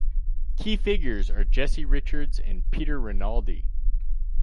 Key figures are Jesse Richards and Peter Rinaldi.